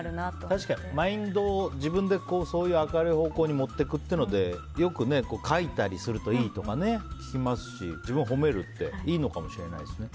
確かにマインドを自分で明るい方向に持っていくっていうのでよく、書いたりするといいとか聞きますし、自分を褒めるっていいのかもしれないですね。